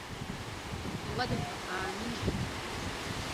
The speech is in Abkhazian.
Иуадақәа аанижьит.